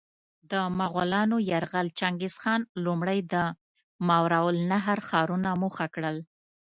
د مغولانو یرغل: چنګیزخان لومړی د ماورالنهر ښارونه موخه کړل.